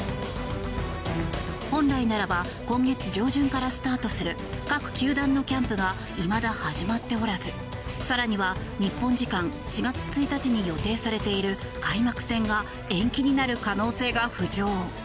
本来ならば今月上旬からスタートする各球団のキャンプがいまだ始まっておらず更には日本時間４月１日に予定されている開幕戦が延期になる可能性が浮上。